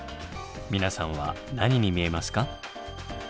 皆さんは何に見えますか？